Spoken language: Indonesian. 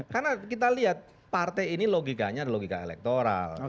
karena kita lihat partai ini logikanya ada logika elektoral